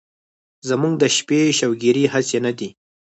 زمونږ د شپې شوګيرې هسې نه دي